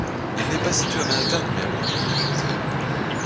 Il n'est pas situé à Manhattan mais à Brooklyn.